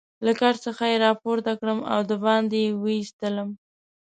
له کټ څخه يې پورته کړم او دباندې يې وایستلم.